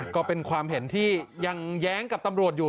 ก็เป็นความเห็นที่ยังแย้งกับตำรวจอยู่